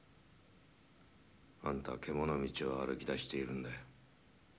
あんたはけものみちを歩きだしているんだよ。